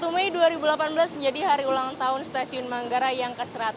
satu mei dua ribu delapan belas menjadi hari ulang tahun stasiun manggarai yang ke seratus